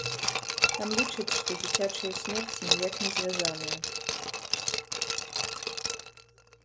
Там лічаць, што дзіцячыя смерці ніяк не звязаныя.